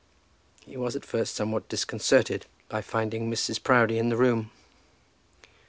He was at first somewhat disconcerted by finding Mrs. Proudie in the room.